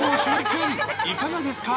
君、いかがですか。